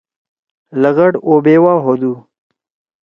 لغڑ اوبیوا ہودُو۔